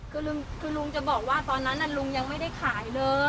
คือลุงจะบอกว่าตอนนั้นลุงยังไม่ได้ขายเลย